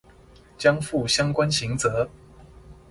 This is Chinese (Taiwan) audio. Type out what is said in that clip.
將負相關刑責